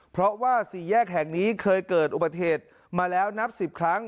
เพราะว่าสี่แยกแห่งนี้เคยเกิดอุบัติเหตุมาแล้วนับ๑๐ครั้ง